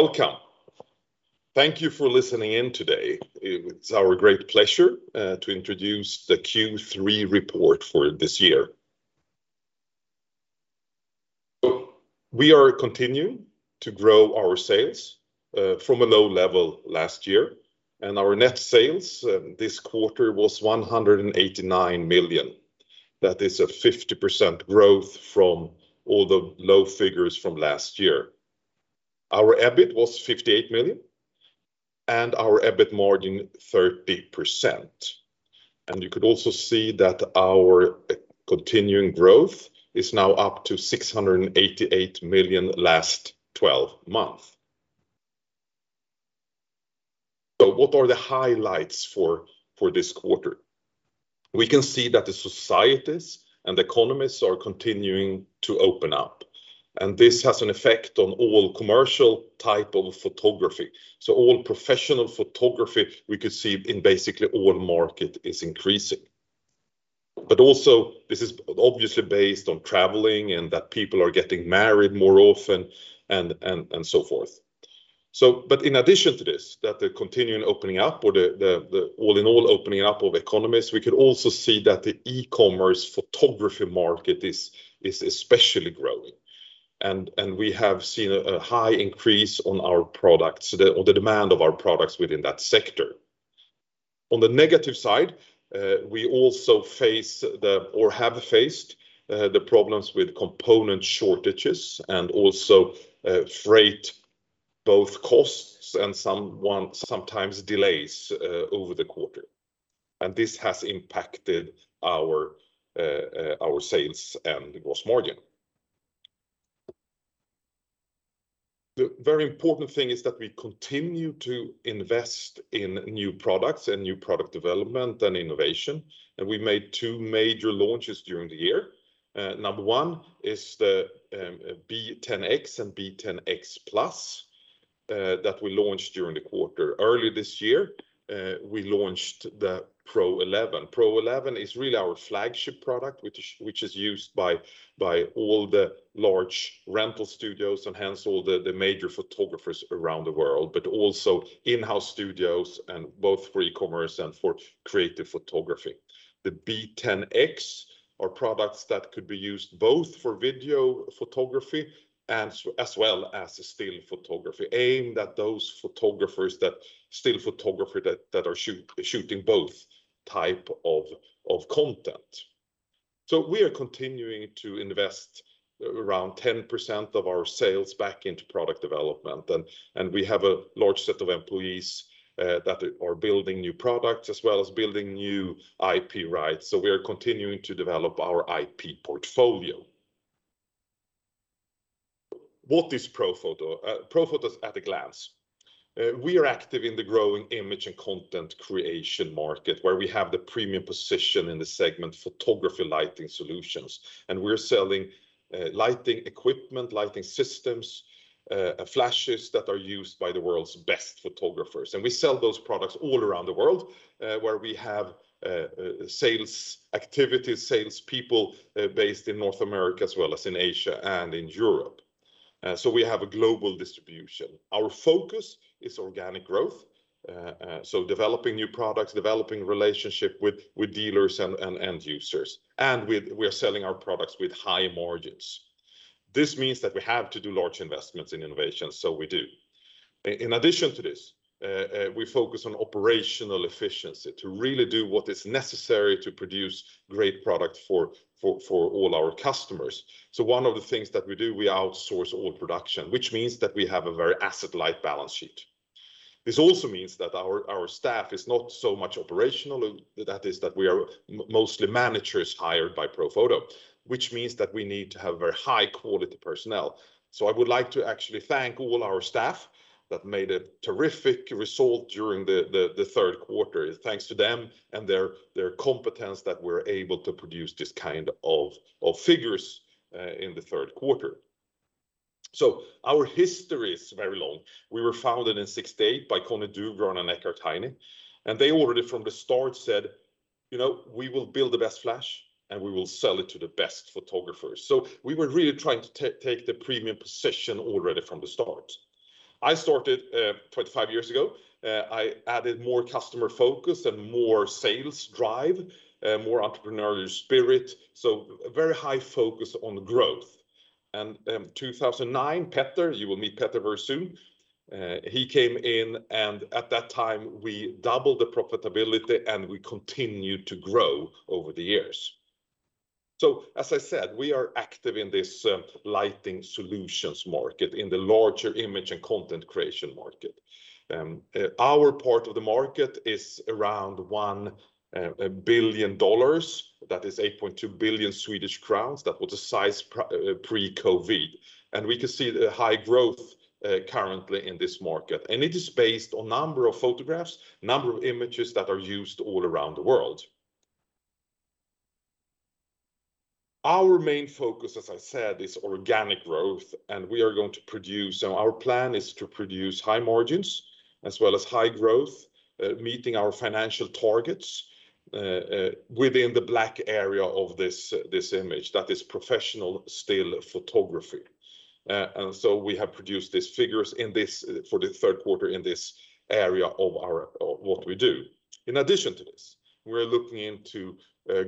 Welcome. Thank you for listening in today. It's our great pleasure to introduce the Q3 report for this year. We are continuing to grow our sales from a low level last year, and our net sales this quarter was 189 million. That is a 50% growth from all the low figures from last year. Our EBIT was 58 million and our EBIT margin 30%. You could also see that our continuing growth is now up to 688 million last 12 months. What are the highlights for this quarter? We can see that the societies and economies are continuing to open up, and this has an effect on all commercial type of photography. All professional photography we could see in basically all market is increasing. Also this is obviously based on traveling and that people are getting married more often and so forth. In addition to this, that the continuing opening up or the all in all opening up of economies, we could also see that the e-commerce photography market is especially growing. We have seen a high increase on our products or the demand of our products within that sector. On the negative side, we also have faced the problems with component shortages and also freight, both costs and some sometimes delays over the quarter. This has impacted our sales and gross margin. The very important thing is that we continue to invest in new products and new product development and innovation. We made two major launches during the year. Number one is the B10X and B10X Plus that we launched during the quarter. Early this year, we launched the Pro-11. Pro-11 is really our flagship product, which is used by all the large rental studios and hence all the major photographers around the world, but also in-house studios and both for e-commerce and for creative photography. The B10X are products that could be used both for video photography as well as still photography, aimed at those photographers that are shooting both types of content. We are continuing to invest around 10% of our sales back into product development. We have a large set of employees that are building new products as well as building new IP rights. We are continuing to develop our IP portfolio. What is Profoto? Profoto at a glance. We are active in the growing image and content creation market where we have the premium position in the segment photography lighting solutions. We're selling lighting equipment, lighting systems, flashes that are used by the world's best photographers. We sell those products all around the world, where we have sales activities, sales people based in North America as well as in Asia and in Europe. We have a global distribution. Our focus is organic growth, developing new products, developing relationship with dealers and end users. We are selling our products with high margins. This means that we have to do large investments in innovation, so we do. In addition to this, we focus on operational efficiency to really do what is necessary to produce great product for all our customers. One of the things that we do, we outsource all production, which means that we have a very asset-light balance sheet. This also means that our staff is not so much operational. That is that we are mostly managers hired by Profoto, which means that we need to have very high-quality personnel. I would like to actually thank all our staff that made a terrific result during the third quarter. Thanks to them and their competence that we're able to produce this kind of figures in the third quarter. Our history is very long. We were founded in 1968 by Conny Dufgran and Eckhard Heine, and they already from the start said, "You know, we will build the best flash, and we will sell it to the best photographers." We were really trying to take the premium position already from the start. I started 25 years ago. I added more customer focus and more sales drive, more entrepreneurial spirit, so very high focus on growth. 2009, Petter, you will meet Petter very soon, he came in, and at that time, we doubled the profitability, and we continued to grow over the years. We are active in this lighting solutions market in the larger image and content creation market. Our part of the market is around $1 billion. That is 8.2 billion Swedish crowns. That was the size pre-COVID. We can see the high growth currently in this market, and it is based on number of photographs, number of images that are used all around the world. Our main focus, as I said, is organic growth, and we are going to produce. Our plan is to produce high margins as well as high growth, meeting our financial targets, within the black area of this image that is professional still photography. We have produced these figures in this for the third quarter in this area of our, of what we do. In addition to this, we're looking into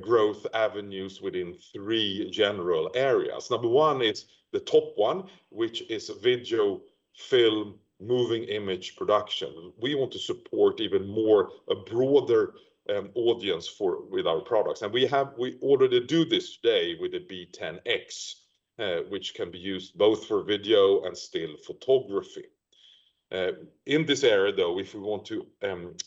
growth avenues within three general areas. Number one is the top one, which is video film, moving image production. We want to support even more a broader audience for, with our products. We already do this today with the B10X, which can be used both for video and still photography. In this area, though, if we want to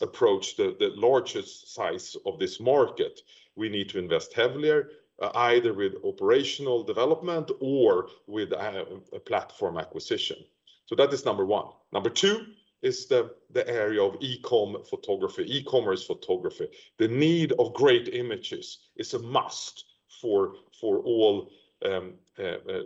approach the largest size of this market, we need to invest heavier, either with operational development or with a platform acquisition. That is number one. Number two is the area of e-com photography, e-commerce photography. The need of great images is a must for all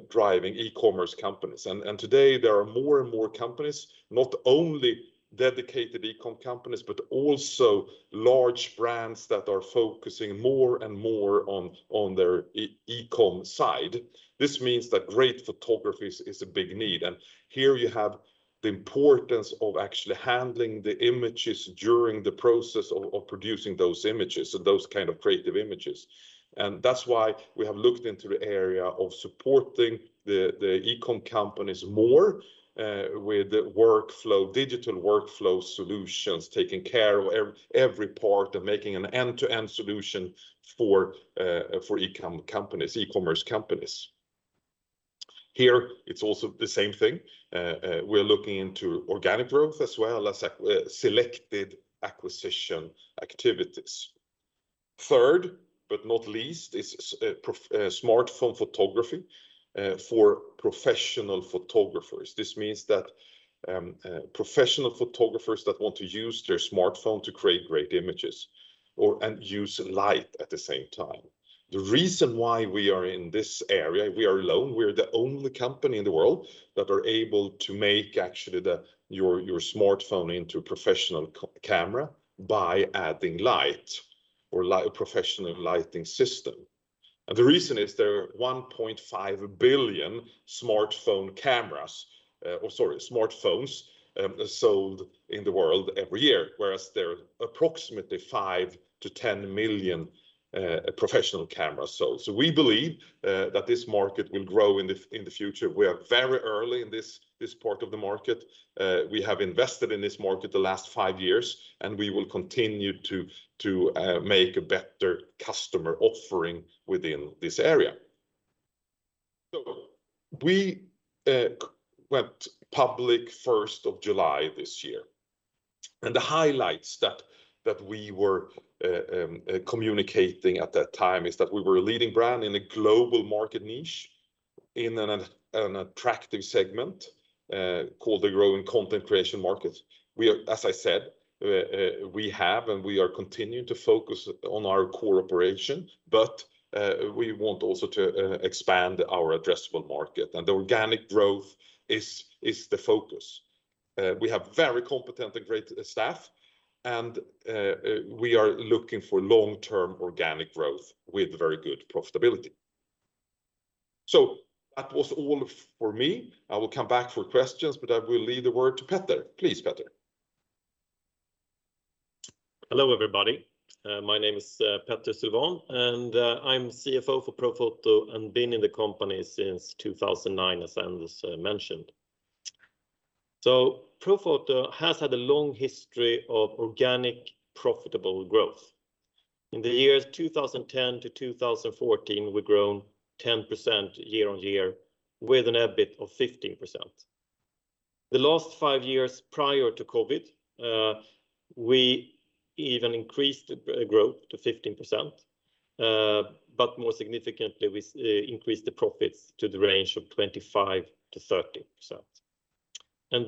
driving e-commerce companies. Today there are more and more companies, not only dedicated e-com companies, but also large brands that are focusing more and more on their e-com side. This means that great photography is a big need. Here you have the importance of actually handling the images during the process of producing those images. Those kind of creative images. That's why we have looked into the area of supporting the e-com companies more with workflow, digital workflow solutions, taking care of every part of making an end-to-end solution for e-com companies, e-commerce companies. Here it's also the same thing. We're looking into organic growth as well as selected acquisition activities. Third, but not least, is smartphone photography for professional photographers. This means that professional photographers that want to use their smartphone to create great images or and use light at the same time. The reason why we are in this area, we are alone. We are the only company in the world that are able to make actually your smartphone into professional camera by adding light or professional lighting system. The reason is there are 1.5 billion smartphones sold in the world every year, whereas there are approximately 5-10 million professional cameras sold. We believe that this market will grow in the future. We are very early in this part of the market. We have invested in this market the last five years, and we will continue to make a better customer offering within this area. We went public first of July this year, and the highlights that we were communicating at that time is that we were a leading brand in a global market niche in an attractive segment called the growing content creation market. We are, as I said, we have and we are continuing to focus on our core operation, but we want also to expand our addressable market, and organic growth is the focus. We have very competent and great staff, and we are looking for long-term organic growth with very good profitability. That was all for me. I will come back for questions, but I will leave the word to Petter. Please, Petter. Hello, everybody. My name is Petter Sylvan, and I'm CFO for Profoto and been in the company since 2009, as Anders mentioned. Profoto has had a long history of organic, profitable growth. In the years 2010 to 2014, we've grown 10% year-on-year with a net EBIT of 15%. The last five years prior to COVID, we even increased the growth to 15%. More significantly, we increased the profits to the range of 25%-30%.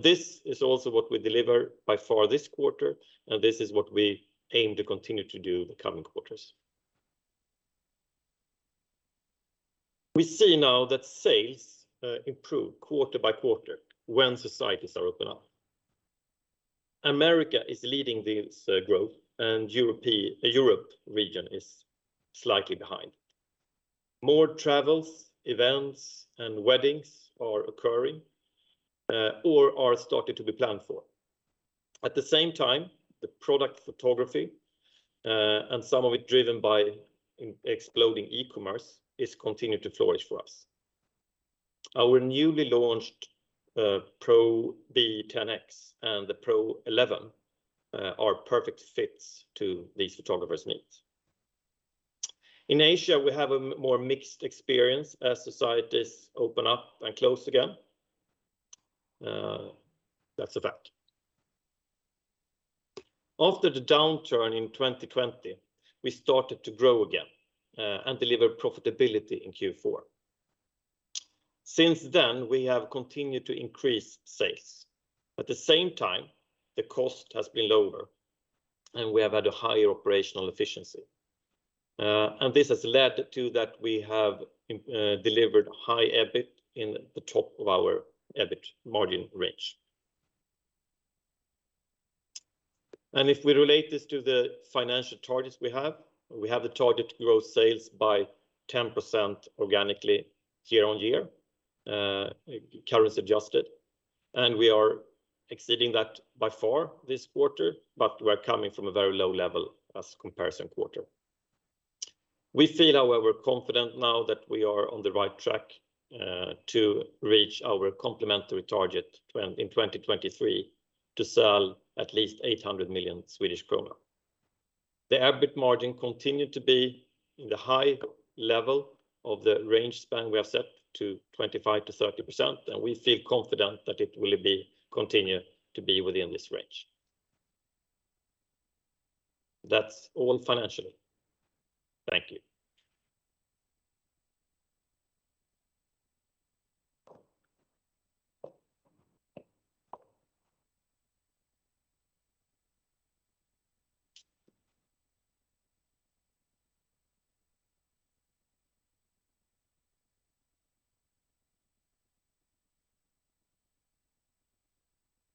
This is also what we deliver by far this quarter, and this is what we aim to continue to do the coming quarters. We see now that sales improve quarter-by-quarter when societies are open up. America is leading this growth, and Europe region is slightly behind. More travels, events, and weddings are occurring or are starting to be planned for. At the same time, the product photography, and some of it driven by exploding e-commerce, is continuing to flourish for us. Our newly launched B10X and the Pro-11 are perfect fits to these photographers' needs. In Asia, we have a more mixed experience as societies open up and close again. That's a fact. After the downturn in 2020, we started to grow again and deliver profitability in Q4. Since then, we have continued to increase sales. At the same time, the cost has been lower, and we have had a higher operational efficiency. This has led to that we have delivered high EBIT in the top of our EBIT margin range. If we relate this to the financial targets we have, we have the target growth sales by 10% organically year-on-year, currency adjusted, and we are exceeding that by far this quarter, but we're coming from a very low level as comparison quarter. We feel, however, confident now that we are on the right track to reach our complementary target in 2023 to sell at least 800 million Swedish krona. The EBIT margin continued to be in the high level of the range span we have set to 25%-30%, and we feel confident that it will continue to be within this range. That's all financially. Thank you.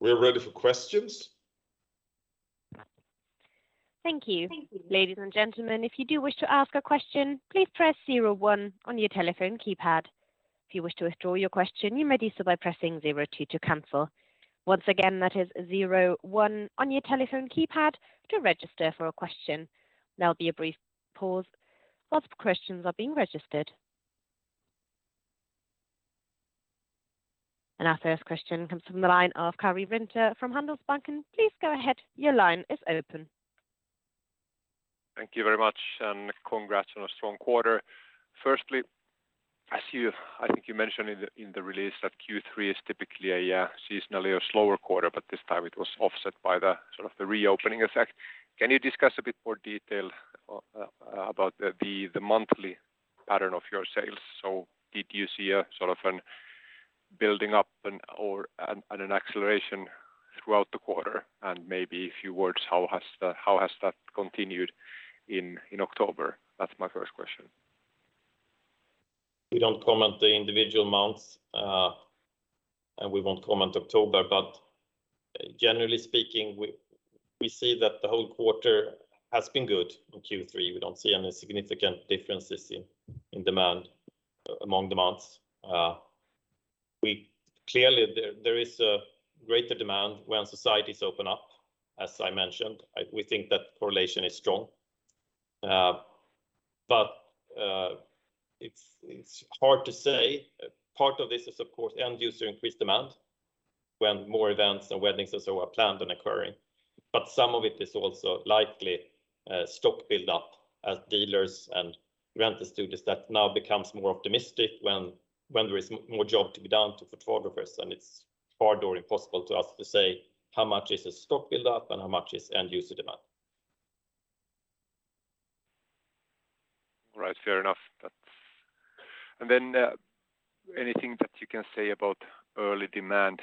We're ready for questions. Thank you. Ladies and gentlemen, if you do wish to ask a question, please press zero one on your telephone keypad. If you wish to withdraw your question, you may do so by pressing zero two to cancel. Once again, that is zero one on your telephone keypad to register for a question. There'll be a brief pause while questions are being registered. Our first question comes from the line of Karri Rinta from Handelsbanken. Please go ahead. Your line is open. Thank you very much, and congrats on a strong quarter. First, I see you've I think you mentioned in the release that Q3 is typically seasonally a slower quarter, but this time it was offset by the sort of the reopening effect. Can you discuss a bit more detail about the monthly pattern of your sales? So did you see a sort of an building up and/or an acceleration throughout the quarter? And maybe a few words, how has that continued in October? That's my first question. We don't comment the individual months, and we won't comment October. Generally speaking, we see that the whole quarter has been good in Q3. We don't see any significant differences in demand among demands. Clearly there is a greater demand when societies open up, as I mentioned. We think that correlation is strong. It's hard to say. Part of this is of course end user increased demand when more events and weddings are sort of planned and occurring. But some of it is also likely stock build-up as dealers and renters do this that now becomes more optimistic when there is more job to be done to photographers. It's hard or impossible to us to say how much is a stock build-up and how much is end user demand. All right. Fair enough. Anything that you can say about early demand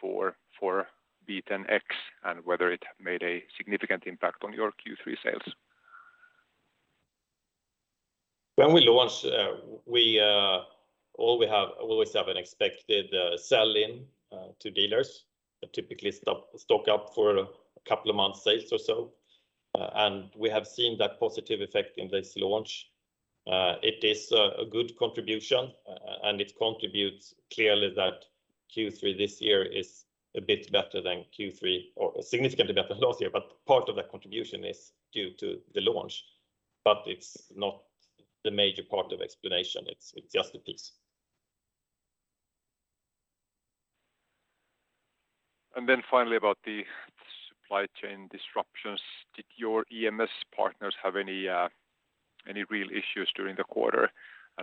for B10X and whether it made a significant impact on your Q3 sales? When we launch, we always have an expected sell-in to dealers. They typically stock up for a couple of months sales or so. We have seen that positive effect in this launch. It is a good contribution, and it contributes clearly that Q3 this year is a bit better than Q3 or significantly better than last year. Part of that contribution is due to the launch, but it's not the major part of explanation. It's just a piece. Then finally about the supply chain disruptions. Did your EMS partners have any any real issues during the quarter?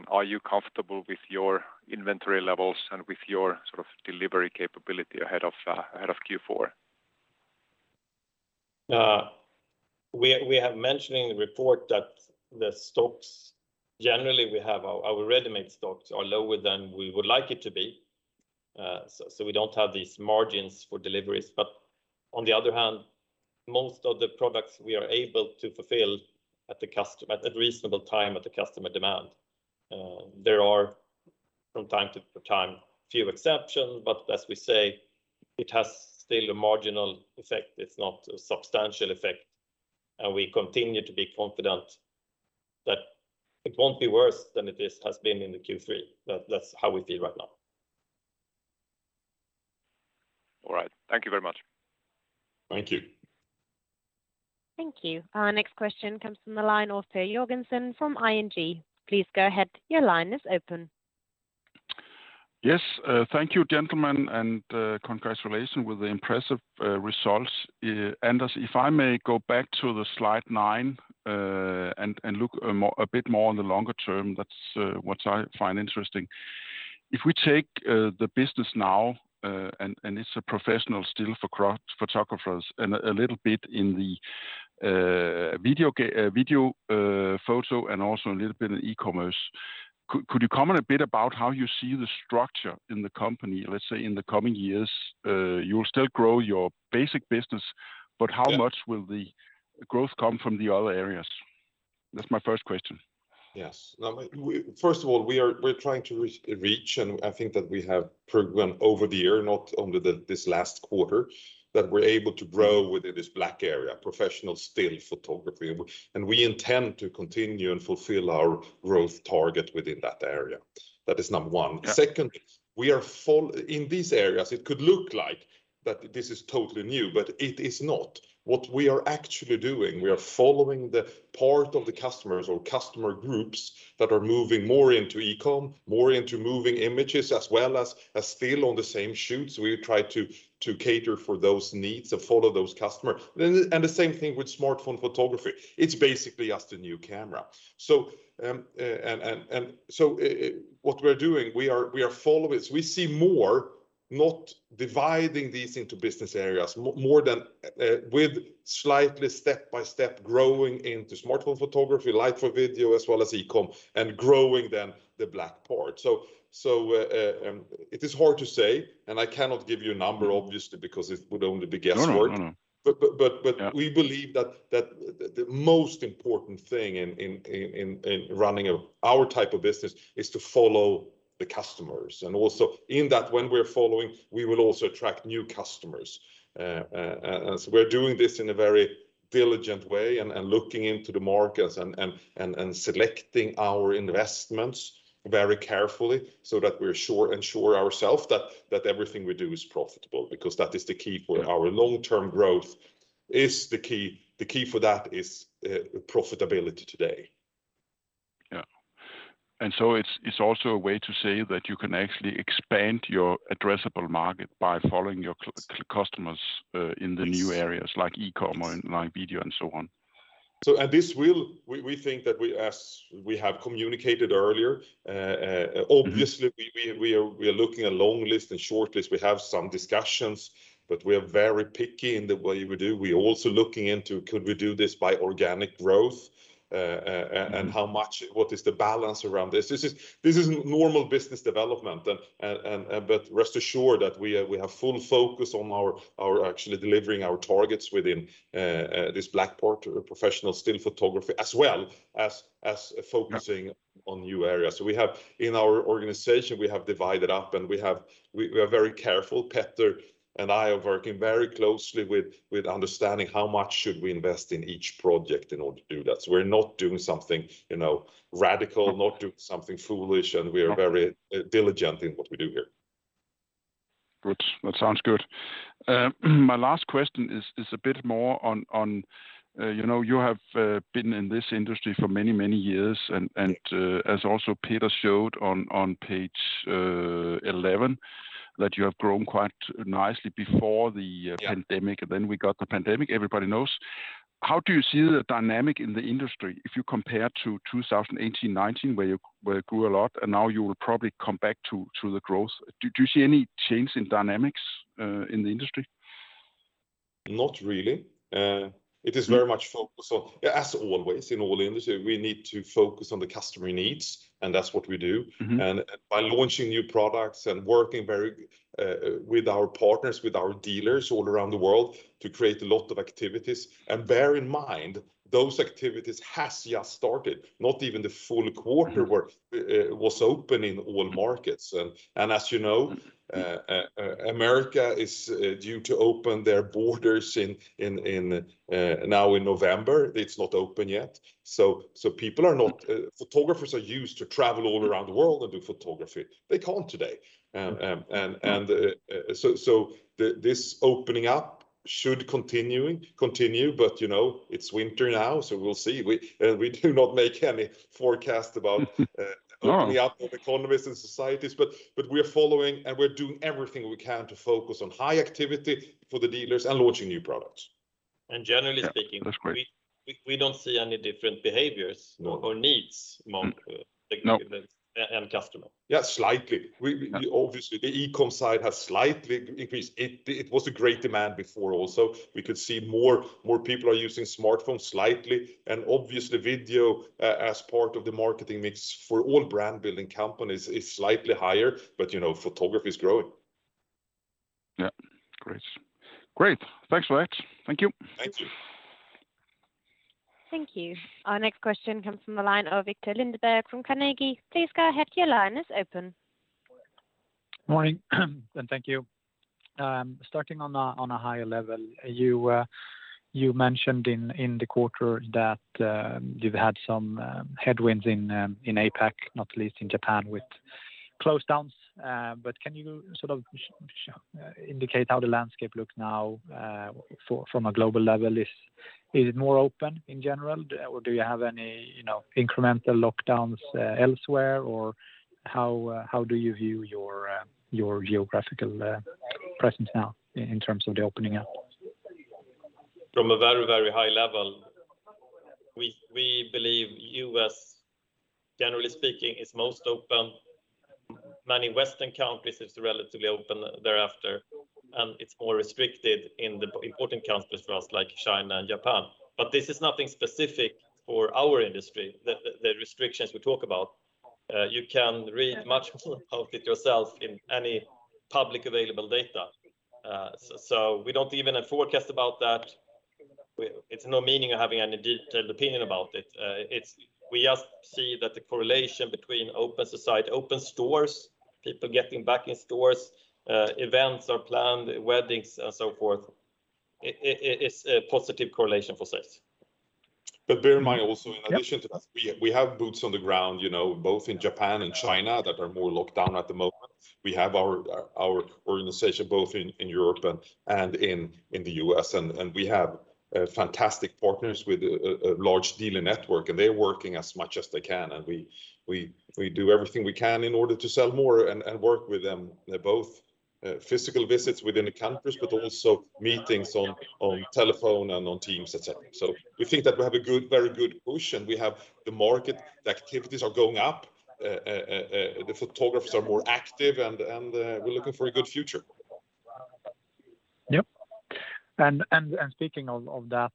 Are you comfortable with your inventory levels and with your sort of delivery capability ahead of Q4? We have mentioned in the report that the stocks, generally, we have our ready-made stocks are lower than we would like it to be. We don't have these margins for deliveries. On the other hand, most of the products we are able to fulfill at a reasonable time at the customer demand. There are from time to time few exceptions, but as we say, it has still a marginal effect. It's not a substantial effect, and we continue to be confident that it won't be worse than it has been in the Q3. That's how we feel right now. All right. Thank you very much. Thank you. Thank you. Our next question comes from the line of [Per Jørgensen] from ING. Please go ahead. Your line is open. Yes. Thank you, gentlemen, and congratulations with the impressive results. Anders, if I may go back to the slide nine, and look a bit more on the longer term, that's what I find interesting. If we take the business now, and it's a professional still for photographers and a little bit in the video photo, and also a little bit of e-commerce. Could you comment a bit about how you see the structure in the company? Let's say in the coming years, you'll still grow your basic business. Yeah. How much will the growth come from the other areas? That's my first question. Yes. Now, first of all, we're trying to reach, and I think that we have program over the year, not only this last quarter, that we're able to grow within this black area, professional still photography. We intend to continue and fulfill our growth target within that area. That is number one. Yeah. In these areas, it could look like that this is totally new, but it is not. What we are actually doing, we are following the part of the customers or customer groups that are moving more into e-com, more into moving images as well as still on the same shoots. We try to cater for those needs and follow those customers. The same thing with smartphone photography. It's basically just a new camera. What we're doing, we are follow this. We see more not dividing these into business areas, more than with slightly step-by-step growing into smartphone photography, light for video, as well as e-com, and growing then the black part. It is hard to say, and I cannot give you a number obviously. Mm. Because it would only be guesswork. No, no, no. But. Yeah. We believe that the most important thing in running our type of business is to follow the customers. Also in that, when we're following, we will also attract new customers. We're doing this in a very diligent way and selecting our investments very carefully so that we're sure to ensure ourselves that everything we do is profitable, because that is the key for our long-term growth. Is the key. The key for that is profitability today. It's also a way to say that you can actually expand your addressable market by following your customers in the new areas. Yes. Like e-com or like video and so on. This will. We think that we, as we have communicated earlier, Mm-hmm. Obviously we are looking at long list and short list. We have some discussions, but we are very picky in the way we do. We're also looking into could we do this by organic growth? Mm-hmm. How much, what is the balance around this? This is normal business development. Rest assured that we have full focus on our actually delivering our targets within this black part or professional still photography, as well as focusing. Yeah. On new areas. We have, in our organization, divided up and we have. We are very careful. Petter and I are working very closely with understanding how much should we invest in each project in order to do that. We're not doing something, you know, foolish, and we are very diligent in what we do here. Good. That sounds good. My last question is a bit more on, you know, you have been in this industry for many, many years. Yeah. As also Petter showed on page 11, that you have grown quite nicely before the. Yeah. Pre-pandemic, and then we got the pandemic. Everybody knows. How do you see the dynamic in the industry if you compare to 2018-2019, where you grew a lot, and now you will probably come back to the growth? Do you see any change in dynamics in the industry? Not really. It is very much focused on, as always in all industry, we need to focus on the customer needs, and that's what we do. Mm-hmm. By launching new products and working very with our partners, with our dealers all around the world to create a lot of activities. Bear in mind, those activities has just started. Not even the full quarter. Mm-hmm. Was open in all markets. As you know, America is due to open their borders now in November. It's not open yet. People are not. Photographers are used to travel all around the world and do photography. They can't today. This opening up should continue. You know, it's winter now, so we'll see. We do not make any forecast about No. Opening up of economies and societies. We're following and we're doing everything we can to focus on high activity for the dealers and launching new products. Generally speaking. Yeah. That's great. We don't see any different behaviors. No. Or needs among No. The consumers and customer. Yeah, slightly. We obviously the e-com side has slightly increased. It was a great demand before also. We could see more people are using smartphones slightly. Obviously video as part of the marketing mix for all brand building companies is slightly higher. You know, photography is growing. Yeah. Great. Thanks for that. Thank you. Thank you. Thank you. Our next question comes from the line of Viktor Lindeberg from Carnegie Investment Bank. Please go ahead. Your line is open. Morning, thank you. Starting on a higher level, you mentioned in the quarter that you've had some headwinds in APAC, not least in Japan with closures. Can you sort of indicate how the landscape looks now from a global level? Is it more open in general? Do you have any, you know, incremental lockdowns elsewhere? How do you view your geographical presence now in terms of the opening up? From a very, very high level, we believe U.S., generally speaking, is most open. Many Western countries it's relatively open thereafter, and it's more restricted in the important countries for us like China and Japan. This is nothing specific for our industry, the restrictions we talk about. You can read much of it yourself in any publicly available data. We don't even have forecast about that. It's no meaning of having any detailed opinion about it. We just see that the correlation between open society, open stores, people getting back in stores, events are planned, weddings and so forth. It's a positive correlation for sales. Bear in mind also in addition to that. Yep. We have boots on the ground, you know, both in Japan and China that are more locked down at the moment. We have our organization both in Europe and in the U.S., and we have fantastic partners with a large dealer network, and they're working as much as they can. We do everything we can in order to sell more and work with them. They're both physical visits within the countries, but also meetings on telephone and on Teams, etc. We think that we have a good, very good push, and we have the market. The activities are going up. The photographers are more active, and we're looking for a good future. Yep. Speaking of that,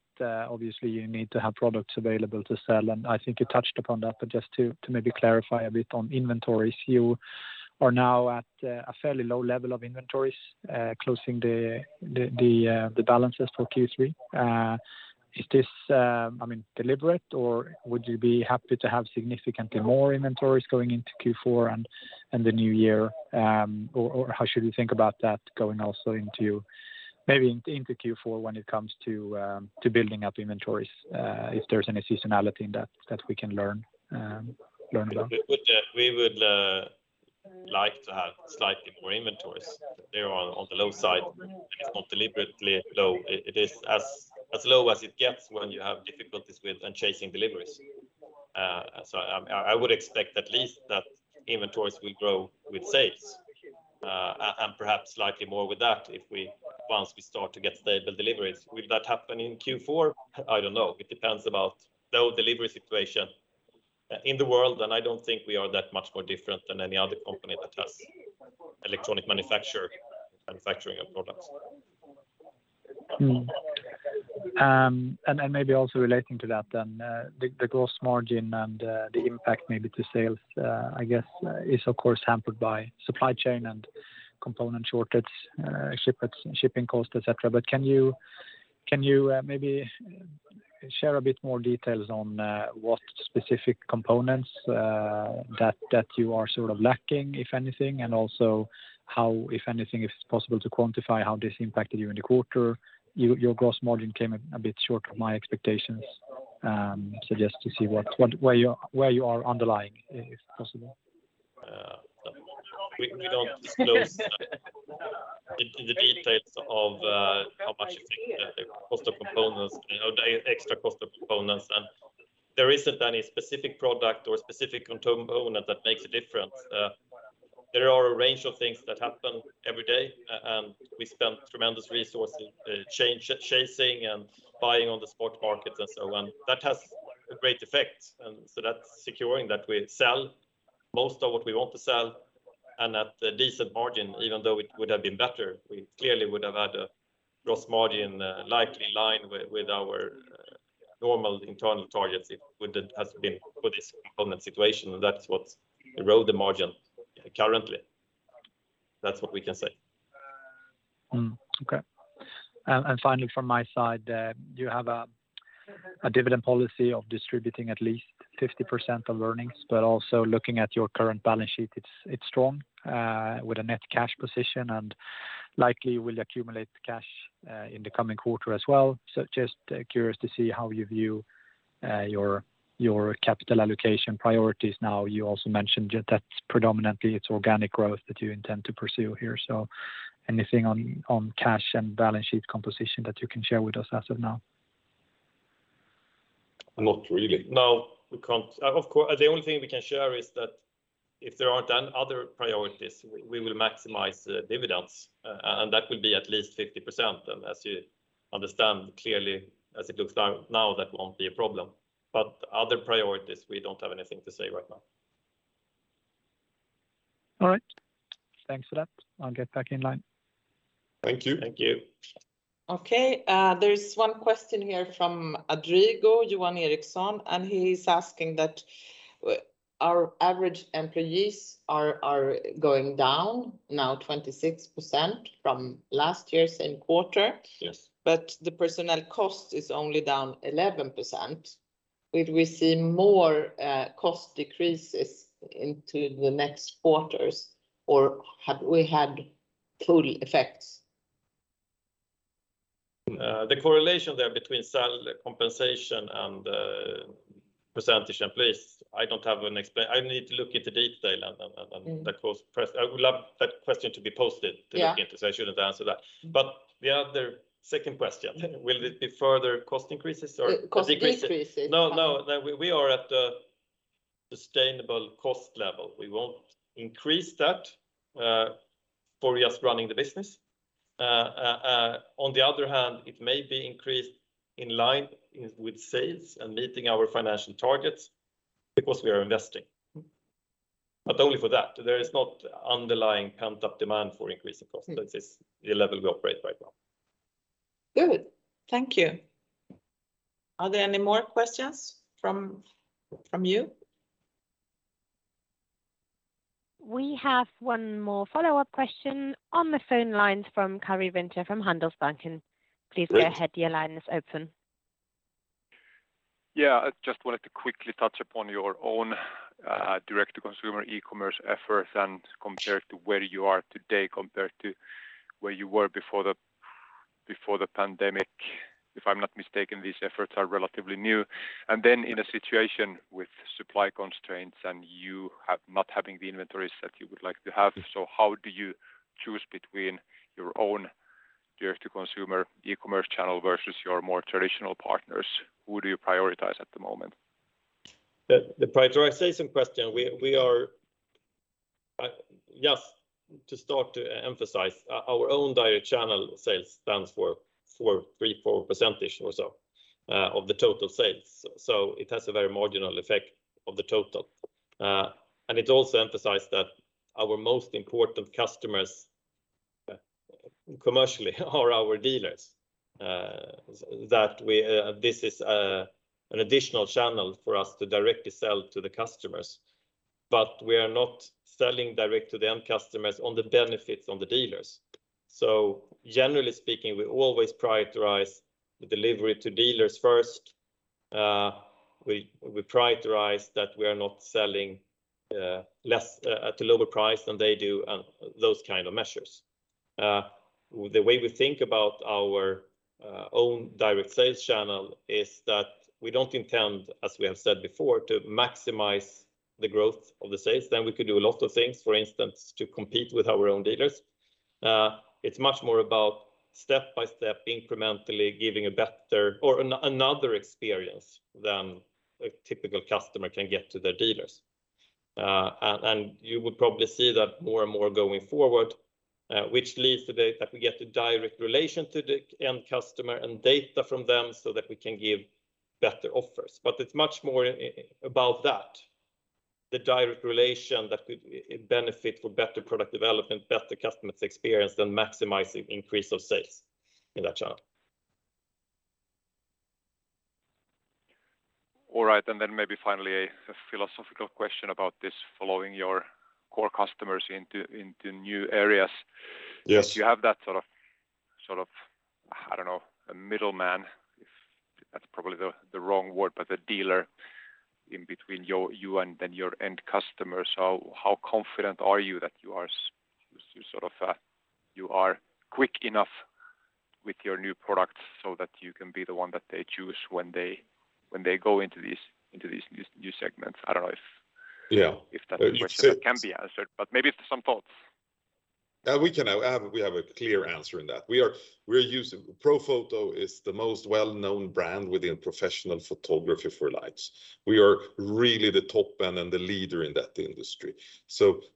obviously you need to have products available to sell, and I think you touched upon that. But just to maybe clarify a bit on inventories. You are now at a fairly low level of inventories closing the balances for Q3. Is this, I mean, deliberate, or would you be happy to have significantly more inventories going into Q4 and the new year? Or how should we think about that going also into Q4 when it comes to building up inventories? If there's any seasonality in that we can learn about. We would like to have slightly more inventories. They are on the low side. It's not deliberately low. It is as low as it gets when you have difficulties with and chasing deliveries. I would expect at least that inventories will grow with sales, and perhaps slightly more with that once we start to get stable deliveries. Will that happen in Q4? I don't know. It depends about the whole delivery situation in the world, and I don't think we are that much more different than any other company that has electronic manufacturing of products. Maybe also relating to that then, the gross margin and the impact maybe to sales, I guess, is of course hampered by supply chain and component shortage, shipping cost, etc. Can you maybe share a bit more details on what specific components that you are sort of lacking, if anything, and also how, if anything, if it's possible to quantify how this impacted you in the quarter? Your gross margin came a bit short of my expectations. Just to see what where you are underlying, if possible. We don't disclose the details of how much effect the cost of components, you know, the extra cost of components. There isn't any specific product or specific component that makes a difference. There are a range of things that happen every day and we spend tremendous resources chasing and buying on the spot markets and so on. That has a great effect. That's securing that we sell most of what we want to sell and at a decent margin, even though it would have been better. We clearly would have had a gross margin likely in line with our normal internal targets if it wouldn't have been for this component situation. That's what's eroding the margin currently. That's what we can say. Finally from my side, you have a dividend policy of distributing at least 50% of earnings, but also looking at your current balance sheet, it's strong with a net cash position and likely will accumulate cash in the coming quarter as well. Just curious to see how you view your capital allocation priorities now. You also mentioned that predominantly it's organic growth that you intend to pursue here. Anything on cash and balance sheet composition that you can share with us as of now? Not really. No, we can't. Of course, the only thing we can share is that if there aren't any other priorities, we will maximize dividends, and that will be at least 50%. As you understand, clearly, as it looks now, that won't be a problem. Other priorities, we don't have anything to say right now. All right. Thanks for that. I'll get back in line. Thank you. Thank you. Okay. There's one question here from [Rodrigo Johansson], and he's asking that our average employees are going down now 26% from last year's same quarter. Yes. The personnel cost is only down 11%. Will we see more cost decreases into the next quarters, or have we had full effects? The correlation there between compensation and percentage employees, I don't have an explanation. I need to look into detail and the cost pressure. I would love that question to be posted. Yeah. To look into, so I shouldn't answer that. The other second question, will it be further cost increases or decreases? Cost decreases. No. We are at a sustainable cost level. We won't increase that for just running the business. On the other hand, it may be increased in line with sales and meeting our financial targets because we are investing. But only for that. There is no underlying pent-up demand for increase in cost. That is the level we operate right now. Good. Thank you. Are there any more questions from you? We have one more follow-up question on the phone lines from Karri Rinta from Handelsbanken. Please go ahead. Your line is open. Yeah. I just wanted to quickly touch upon your own direct-to-consumer e-commerce efforts and compared to where you are today compared to where you were before the pandemic. If I'm not mistaken, these efforts are relatively new. In a situation with supply constraints and not having the inventories that you would like to have. How do you choose between your own direct-to-consumer e-commerce channel versus your more traditional partners? Who do you prioritize at the moment? The prioritization question, we are just to start to emphasize, our own direct channel sales stands for 3%-4% or so of the total sales. It has a very marginal effect on the total. It also emphasized that our most important customers commercially are our dealers. This is an additional channel for us to directly sell to the customers, but we are not selling direct to the end customers at the expense of the dealers. Generally speaking, we always prioritize the delivery to dealers first. We prioritize that we are not selling at a lower price than they do and those kind of measures. The way we think about our own direct sales channel is that we don't intend, as we have said before, to maximize the growth of the sales. Then we could do a lot of things, for instance, to compete with our own dealers. It's much more about step-by-step incrementally giving a better or another experience than a typical customer can get from their dealers. You would probably see that more and more going forward, which leads to that we get a direct relation to the end customer and data from them so that we can give better offers. It's much more about that, the direct relation that could benefit from better product development, better customer experience than maximizing increase of sales in that channel. All right. Maybe finally a philosophical question about this, following your core customers into new areas. Yes. You have that sort of, I don't know, a middleman. That's probably the wrong word, but the dealer in between you and your end customer. How confident are you that you are sort of quick enough with your new product so that you can be the one that they choose when they go into these new segments? I don't know if. Yeah. If that's a question that can be answered, but maybe some thoughts. We have a clear answer in that. Profoto is the most well-known brand within professional photography for lights. We are really the top brand and the leader in that industry.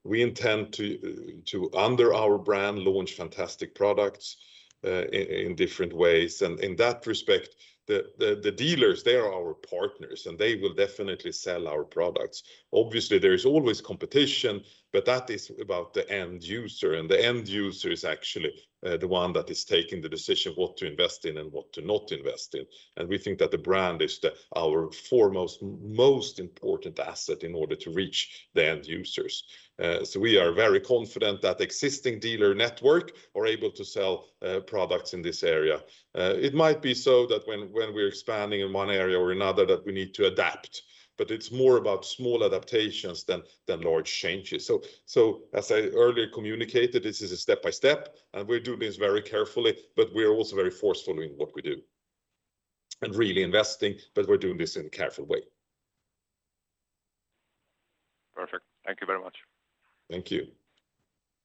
We intend to under our brand launch fantastic products in different ways. In that respect, the dealers they are our partners, and they will definitely sell our products. Obviously, there is always competition, but that is about the end user, and the end user is actually the one that is taking the decision what to invest in and what to not invest in. We think that the brand is our foremost most important asset in order to reach the end users. We are very confident that existing dealer network are able to sell products in this area. It might be so that when we're expanding in one area or another, that we need to adapt, but it's more about small adaptations than large changes. As I earlier communicated, this is a step-by-step, and we do this very carefully, but we are also very forceful in what we do and really investing, but we're doing this in a careful way. Perfect. Thank you very much. Thank you.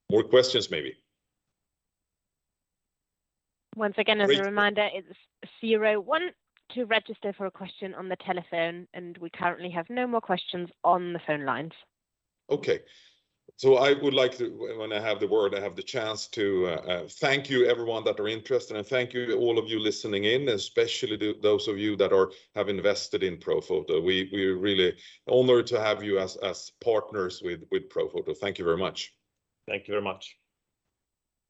More questions, maybe. Once again, as a reminder, it's zero one to register for a question on the telephone, and we currently have no more questions on the phone lines. Okay. I would like to, when I have the word, I have the chance to thank you everyone that are interested. Thank you to all of you listening in, especially to those of you that have invested in Profoto. We are really honored to have you as partners with Profoto. Thank you very much. Thank you very much.